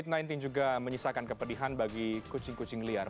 covid sembilan belas juga menyisakan kepedihan bagi kucing kucing liar